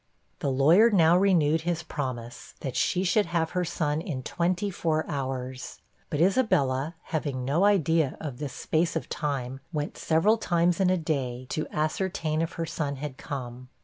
The lawyer now renewed his promise, that she should have her son in twenty four hours. But Isabella, having no idea of this space of time, went several times in a day, to ascertain if her son had come.